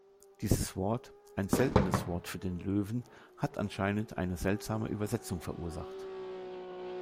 Dieses Wort, ein seltenes Wort für den Löwen, hat anscheinend eine seltsame Übersetzung verursacht.